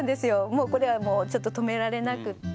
もうこれはもうちょっと止められなくって。